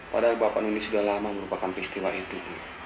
padahal bapak nuni sudah lama merupakan peristiwa itu